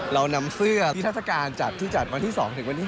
เรานำเสื้อนิทัศกาลจัดที่จัดวันที่๒ถึงวันที่๒